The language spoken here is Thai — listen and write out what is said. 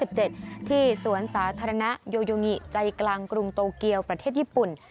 ที่สวนสาธารณะโยโยงิใจกลางกรุงโตเกียวประเทศญี่ปุ่น